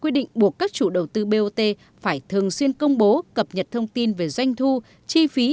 quy định buộc các chủ đầu tư bot phải thường xuyên công bố cập nhật thông tin về doanh thu chi phí